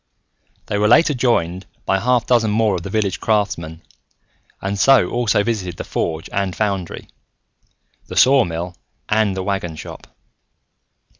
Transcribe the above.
They were later joined by a half dozen more of the village craftsmen and so also visited the forge and foundry, the sawmill and the wagon shop.